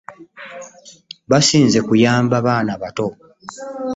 Basinze kuyamba baana bato.